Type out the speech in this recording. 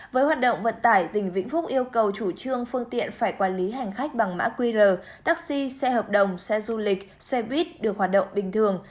với hoạt động vận tải tỉnh vĩnh phúc yêu cầu chủ trương phương tiện phải quản lý hành khách bằng mã qr taxi xe hợp đồng xe du lịch xe buýt được hoạt động bình thường